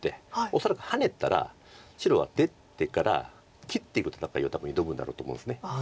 恐らくハネたら白は出てから切っていく戦いを多分挑むんだろうと思うんです。